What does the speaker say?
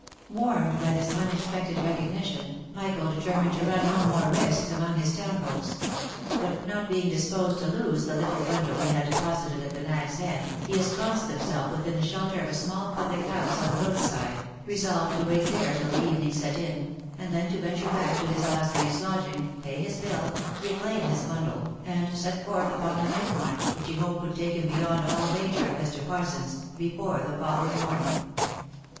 Warned by this unexpected recognition, Michael determined to run 312 THE LIFE AND ADVENTURES no more risks among his townfolks ; but not being disposed to lose the little bundle he had deposited at the Nag's Head, he ensconced himself within the shelter of a small public house, on the road side, resolved to wait there till the evening set in, and then to venture back to his last night's lodging, pay his bill, reclaim his bundle, and set forth upon a night march, which he hoped would take him beyond all danger of Mr. Parsons, before the following morning.